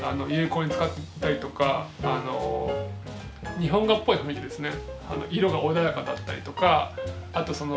日本画っぽい雰囲気ですね。